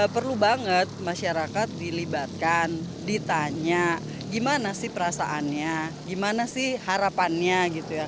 perlu banget masyarakat dilibatkan ditanya gimana sih perasaannya gimana sih harapannya gitu ya